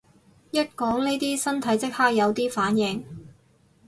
一講呢啲身體即刻有啲反應